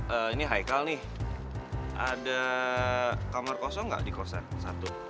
eh ini haikal nih ada kamar kosong gak di kursa satu